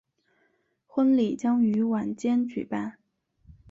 婚礼将于晚间举办。